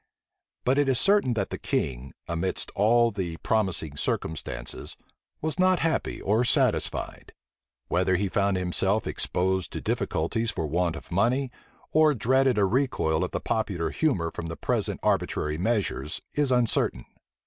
But it is certain that the king, amidst all these promising circumstances, was not happy or satisfied. Whether he found himself exposed to difficulties for want of money, or dreaded a recoil of the popular humor from the present arbitrary measures, is uncertain.